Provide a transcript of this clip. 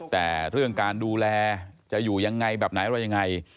แต่เรื่องการดูแลจะอยู่ยังไงแบบไหนอะไรยังไง